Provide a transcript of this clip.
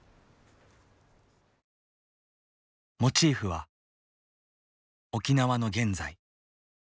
モチーフは沖縄の現在。